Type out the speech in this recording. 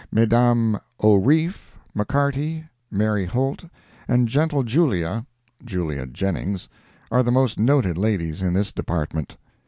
Mesdames O'Reefe, McCarty, Mary Holt and "Gentle Julia," (Julia Jennings,) are the most noted ladies in this department.